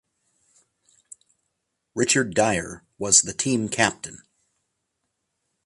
Richard Dyer was the team captain.